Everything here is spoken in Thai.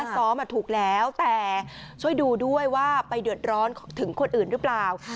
ซ้อมถูกแล้วแต่ช่วยดูด้วยว่าไปเดือดร้อนถึงคนอื่นหรือเปล่า